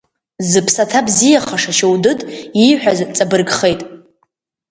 Зыԥсаҭа бзиахаша Шьоудыд ииҳәаз ҵабыргхеит…